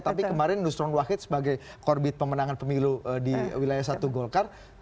tapi kemarin nusron wahid sebagai korbit pemenangan pemilu di wilayah satu golkar